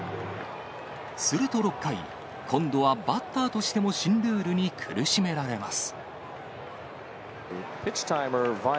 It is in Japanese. すると６回、今度はバッターとしても新ルールに苦しめられます。